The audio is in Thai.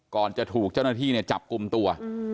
ก่อนจะถูกเจ้าหน้าที่เนี่ยจับกลุ่มตัว